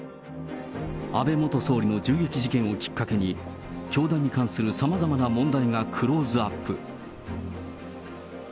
安倍元総理の銃撃事件をきっかけに、教団に関するさまざまな問題がクローズアップ。